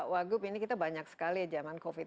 wagub ini kita banyak sekali ya zaman covid